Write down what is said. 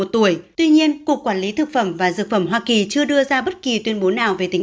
tuổi tuy nhiên cục quản lý thực phẩm và dược phẩm hoa kỳ chưa đưa ra bất kỳ tuyên bố nào về tính